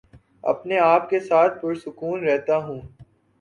اپنے آپ کے ساتھ پرسکون رہتا ہوں